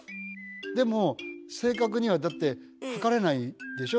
でも正確にはだって測れないでしょ？